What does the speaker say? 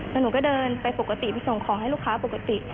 แล้วหนูก็เดินไปปกติไปส่งของให้ลูกค้าปกติ